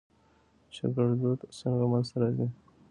چې ګړدود څنګه منځ ته راځي؟